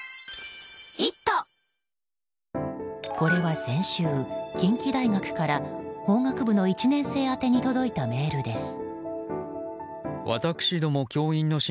これは先週、近畿大学から法学部の１年生宛てに届いたメールです。